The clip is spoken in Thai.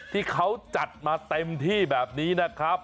ที่เขาจัดมาเต็มที่แบบนี้นะครับ